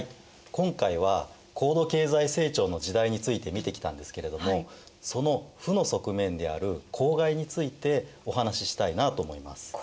今回は高度経済成長の時代について見てきたんですけれどもその負の側面である公害についてお話ししたいなと思います。